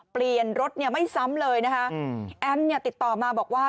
เปลี่ยนรถเนี่ยไม่ซ้ำเลยนะคะแอมเนี่ยติดต่อมาบอกว่า